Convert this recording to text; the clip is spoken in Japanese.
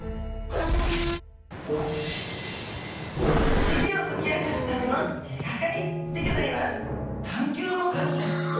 不思議を解き明かすための手がかりでギョざいます